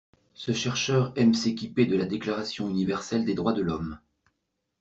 Ce chercheur aime s'équiper de la Déclaration Universelle des Droits de l'Homme.